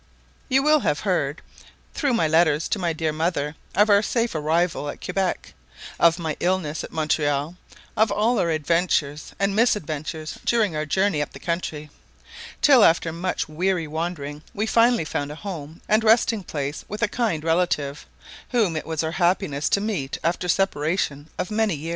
You will have heard, through my letters to my dear mother, of our safe arrival at Quebec, of my illness at Montreal, of all our adventures and misadventures during our journey up the country, till after much weary wandering we finally found a home and resting place with a kind relative, whom it was our happiness to meet after a separation of many years.